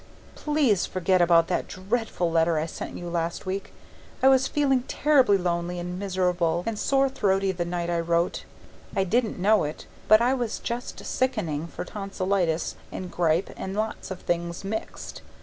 Please forget about that dreadful letter I sent you last week I was feeling terribly lonely and miserable and sore throaty the night I wrote. I didn't know it, but I was just sickening for tonsillitis and grippe and lots of things mixed.